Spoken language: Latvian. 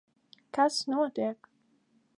Kas notiek?